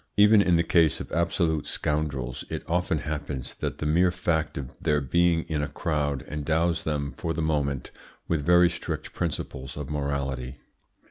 Even in the case of absolute scoundrels it often happens that the mere fact of their being in a crowd endows them for the moment with very strict principles of morality.